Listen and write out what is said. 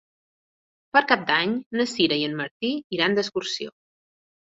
Per Cap d'Any na Sira i en Martí iran d'excursió.